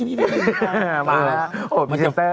มาแล้วโอ้ยพิสเตอร์